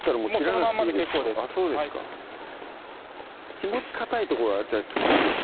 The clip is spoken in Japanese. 気持ちかたいとこはじゃあ切っていいですか？